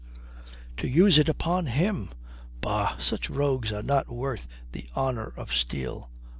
"To use it upon him! Bah, such rogues are not worth the honour of steel."